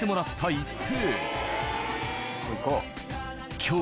一平